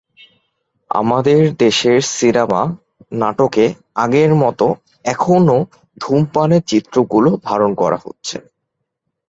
আমাদের দেশের সিনেমা, নাটকে আগের মতো এখনো ধূমপানের চিত্রগুলো ধারণ করা হচ্ছে।